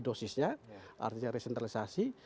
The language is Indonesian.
dosisnya artinya desentralisasi